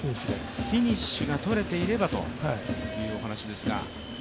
フィニッシュが取れていればというお話ですが。